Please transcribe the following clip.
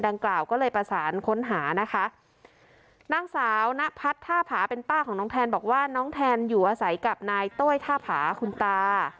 กล่าวก็เลยประสานค้นหานะคะนางสาวนพัฒน์ท่าผาเป็นป้าของน้องแทนบอกว่าน้องแทนอยู่อาศัยกับนายโต้ยท่าผาคุณตา